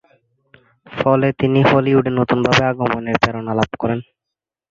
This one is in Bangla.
ফলে তিনি হলিউডে নতুনভাবে আগমনের প্রেরণা লাভ করেন।